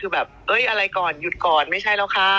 คือแบบเอ้ยอะไรก่อนหยุดก่อนไม่ใช่แล้วค่ะ